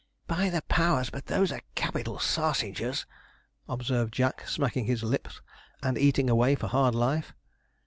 'By the powers, but those are capital sarsingers!' observed Jack, smacking his lips and eating away for hard life.